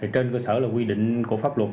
trên cơ sở là quy định của pháp luật